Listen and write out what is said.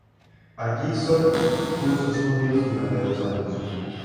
Allí sólo curso estudios durante dos años.